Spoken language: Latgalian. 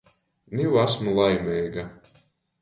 Niu asmu laimeiga.